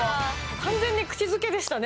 完全に口づけでしたね